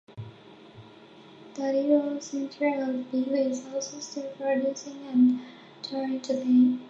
The Little Theatre of the Deaf is also still producing and touring today.